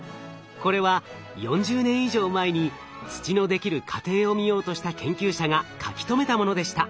これは４０年以上前に土のできる過程を見ようとした研究者が書き留めたものでした。